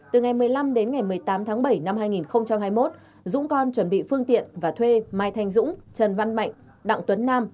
từ ngày một mươi năm đến ngày một mươi tám tháng bảy năm hai nghìn hai mươi một dũng còn chuẩn bị phương tiện và thuê mai thanh dũng trần văn mạnh đặng tuấn nam